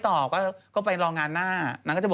หลอดเอาเป็นนักแสดงเหรอ